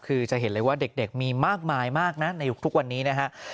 คือจะเห็นเลยว่าเด็กมีมากมายมากนะในทุกวันนี้นะฮะ